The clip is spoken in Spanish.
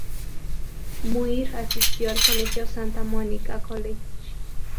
Muir asistió al colegio Santa Mónica College.